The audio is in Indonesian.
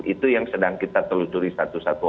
itu yang sedang kita telusuri satu satu